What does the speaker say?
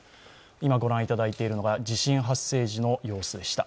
今ご覧いただいているのが地震発生時の様子でした。